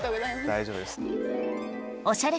大丈夫です。